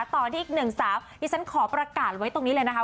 ต่อที่อีกหนึ่งสาวดิฉันขอประกาศไว้ตรงนี้เลยนะคะ